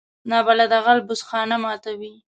نابلده غل بوس خانه ماتوي